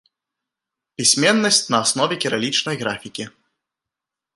Пісьменнасць на аснове кірылічнай графікі.